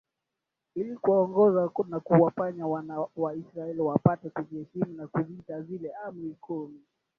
ili kuwaongoza na kuwafanya wana wa Israel wapate kuziheshimu na kuzitii Zile amri kumi